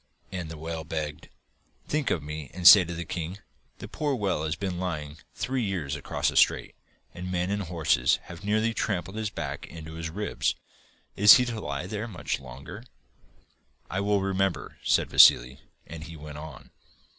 And the whale begged: 'Think of me and say to the king: "The poor whale has been lying three years across the strait, and men and horses have nearly trampled his back into his ribs. Is he to lie there much longer?"' 'I will remember,' said Vassili, and he went on.